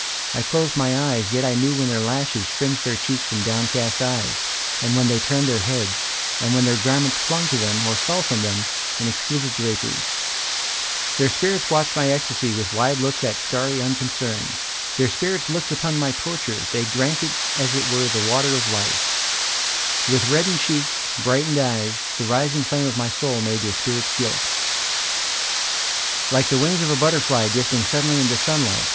I closed my eyes, yet I knew when their lashes Fringed their cheeks from downcast eyes, And when they turned their heads; And when their garments clung to them, Or fell from them, in exquisite draperies. Their spirits watched my ecstasy With wide looks of starry unconcern. Their spirits looked upon my torture; They drank it as it were the water of life; With reddened cheeks, brightened eyes, The rising flame of my soul made their spirits gilt, Like the wings of a butterfly drifting suddenly into sunlight.